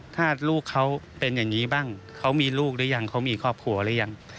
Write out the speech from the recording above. ถ้าลูกเขาเป็นอย่างนี้บ้างเขามีลูกหรือยังเขามีครอบครัวหรือยัง